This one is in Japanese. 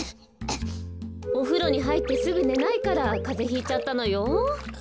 おふろにはいってすぐねないからカゼひいちゃったのよ。